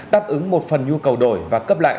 đáp ứng một phần nhu cầu đổi và cấp lại